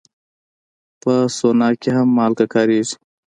په سونا کې هم مالګه کارېږي.